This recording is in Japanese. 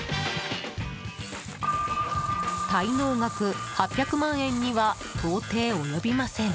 滞納額８００万円には到底及びません。